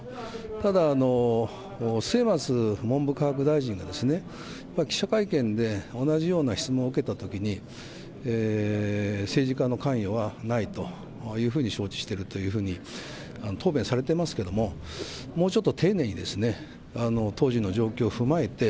ただ、末松文部科学大臣が、記者会見で同じような質問を受けたときに、政治家の関与はないというふうに承知しているというふうに、答弁されてますけれども、もうちょっと丁寧に、当時の状況を踏まえて、